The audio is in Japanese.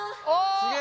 すげえ！